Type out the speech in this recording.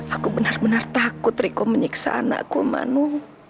aku benar benar takut riko menyiksa anakku manu